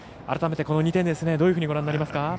改めて、この２点どういうふうにご覧になりますか。